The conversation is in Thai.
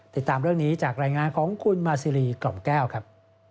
ติดตามเรื่องนี้จากรายงานของคุณมาซีรีกล่อมแก้วครับ